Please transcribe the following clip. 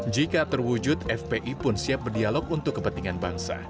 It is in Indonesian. jika terwujud fpi pun siap berdialog untuk kepentingan bangsa